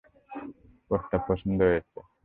প্রস্তাব পছন্দ হয়েছে।